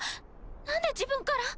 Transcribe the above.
なんで自分から？